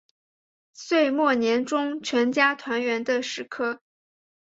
岁末年终全家团圆的时刻